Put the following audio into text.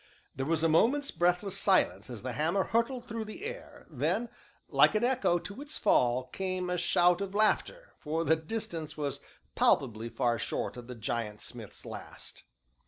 There was a moment's breathless silence as the hammer hurtled through the air, then, like an echo to its fall, came a shout of laughter, for the distance was palpably far short of the giant smith's last.